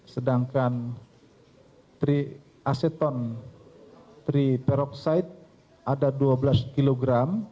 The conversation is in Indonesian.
sedangkan tri aseton tri peroxide ada dua belas kilogram